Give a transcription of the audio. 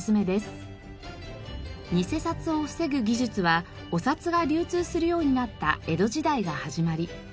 偽札を防ぐ技術はお札が流通するようになった江戸時代が始まり。